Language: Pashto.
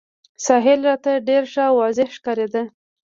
ساحل راته ډېر ښه او واضح ښکارېده.